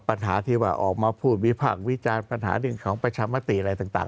ปัญหาที่ว่าออกมาพูดวิพากษ์วิจารณ์ปัญหาเรื่องของประชามติอะไรต่าง